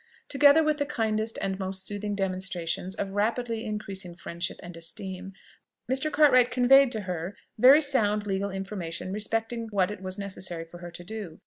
Together with the kindest and most soothing demonstrations of rapidly increasing friendship and esteem, Mr. Cartwright conveyed to her very sound legal information respecting what it was necessary for her to do.